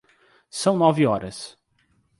São nove horas.